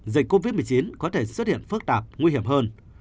dịch covid một mươi chín có thể xuất hiện phức tạp nguy hiểm hơn